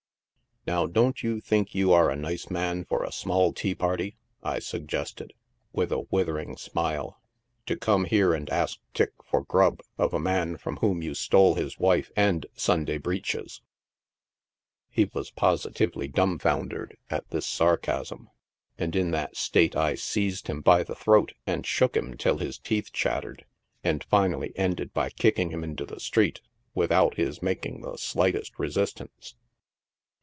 " Now, don't you think you are a nice man for a small tea party ?" I suggested, with a withering smile, " to come here and ask tick for grub of a man from whom you stole his wife and Sunday breeches ?" He was positively dumbibundered at this sarcasm, and in that state I seized him by the throat and shook him till his teeth chat tered, and finally ended by kicking him into the street, without his making the slightest resistance.